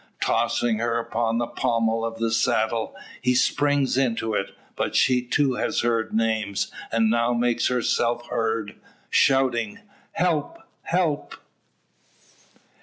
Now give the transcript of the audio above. Tossing her upon the pommel of the saddle, he springs into it. But she too has heard names, and now makes herself heard, shouting, "Help help!"